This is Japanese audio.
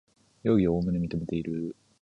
容疑をおおむね認めている